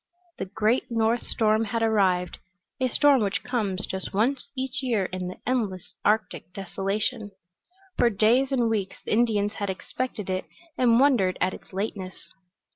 The great north storm had arrived a storm which comes just once each year in the endless Arctic desolation. For days and weeks the Indians had expected it and wondered at its lateness.